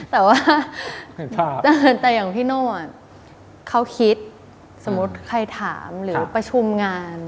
แต่ว่าแต่อย่างพี่โน่เขาคิดสมมุติใครถามหรือประชุมงาน